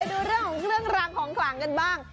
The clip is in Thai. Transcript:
ดูเรื่องของเครื่องรางของขลังกันบ้าง